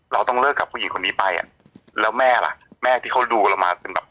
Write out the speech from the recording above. เราต้องเลิกกับผู้หญิงคนนี้ไปอ่ะแล้วแม่ล่ะแม่ที่เขาดูเรามาเป็นแบบ